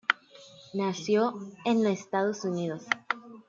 Nació en Estados Unidos.